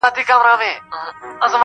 دوی د ولس خواخوږي نه دي